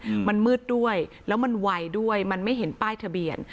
อืมมันมืดด้วยแล้วมันไวด้วยมันไม่เห็นป้ายทะเบียน